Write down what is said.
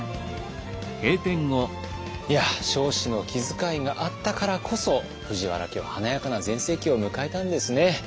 いや彰子の気遣いがあったからこそ藤原家は華やかな全盛期を迎えたんですね。